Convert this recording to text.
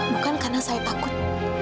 bukan karena saya takut